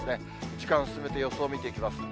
時間進めて予想見ていきます。